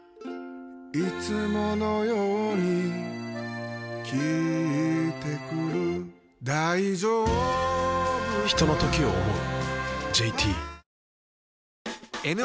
いつものように聞いてくる大丈夫か嗚呼ひとのときを、想う。